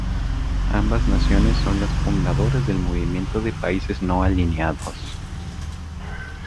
Ambas naciones son las fundadoras del Movimiento de Países No Alineados.